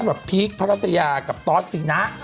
สำหรับพีคพระราชญากับต๊อตศีนะ